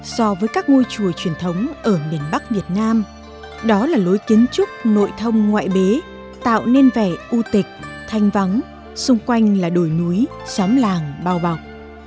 so với các ngôi chùa truyền thống ở miền bắc việt nam đó là lối kiến trúc nội thông ngoại bế tạo nên vẻ u tịch thanh vắng xung quanh là đồi núi xóm làng bao bọc